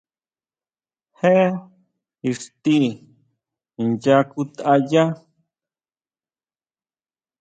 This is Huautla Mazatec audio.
¿Jé íxti incha kutayá?